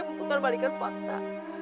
pembukaan balikan fakta